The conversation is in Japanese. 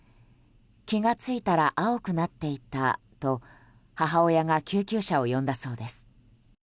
気づいたら青くなっていたと母親が救急車を呼んだそうです。